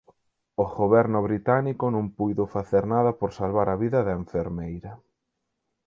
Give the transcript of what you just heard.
O goberno británico non puido facer nada por salvar a vida da enfermeira.